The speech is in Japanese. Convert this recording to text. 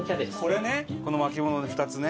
この巻き物２つね。